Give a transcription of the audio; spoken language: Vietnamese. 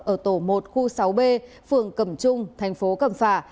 ở tổ một khu sáu b phường cẩm trung thành phố cẩm phả